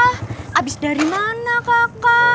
habis dari mana kakak